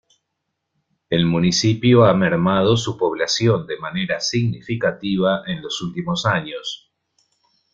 El municipio ha mermado su población de manera significativa en los últimos años.